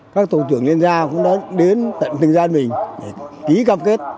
các tổ trưởng liên gia cũng đã đến tận tình gian mình để ký cam kết